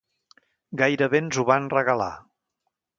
Gairebé ens ho van regalar.